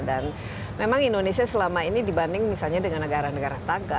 dan memang indonesia selama ini dibanding misalnya dengan negara negara taga